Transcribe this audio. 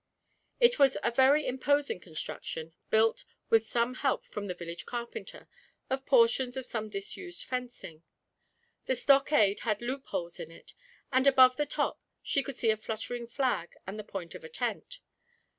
It was a very imposing construction, built, with some help from the village carpenter, of portions of some disused fencing. The stockade had loopholes in it, and above the top she could see a fluttering flag and the point of a tent.